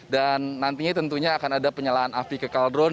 dan nantinya tentunya akan ada penyalaan api ke kaldron